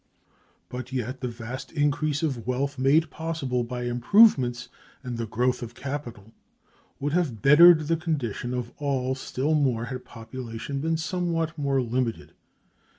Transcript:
But yet the vast increase of wealth made possible by improvements and the growth of capital would have bettered the condition of all still more had population been somewhat more limited.